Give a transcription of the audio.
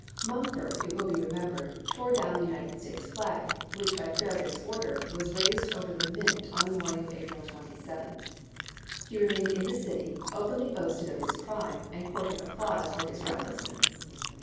Mumford, it will be remembered, tore down the United States flag, which by Farragut's order was raised over the Mint on the morning of April 27. He remained in the city, openly boasted of his crime, and courted applause for his recklessness.